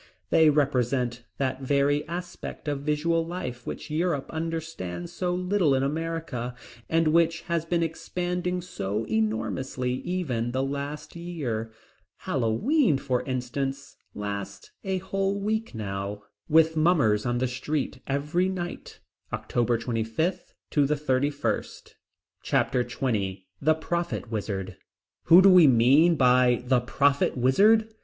They represent that very aspect of visual life which Europe understands so little in America, and which has been expanding so enormously even the last year. Hallowe'en, for instance, lasts a whole week now, with mummers on the streets every night, October 25 31. Chapter XX The Prophet Wizard. Who do we mean by The Prophet Wizard?